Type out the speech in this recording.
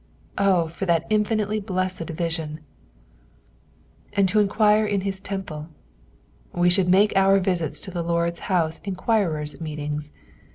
Oh, for that infinitely blessed vision I "And to engtiire in his temple." We should make our visits to the Lord's house enquirers' meetings.